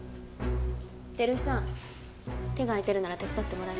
照井さん手が空いてるなら手伝ってもらえますか？